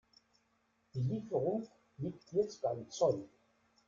Die Lieferung liegt jetzt beim Zoll.